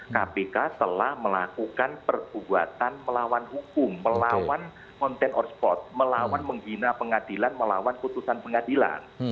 kpk telah melakukan perbuatan melawan hukum melawan content or sport melawan menghina pengadilan melawan putusan pengadilan